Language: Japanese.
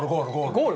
ゴール？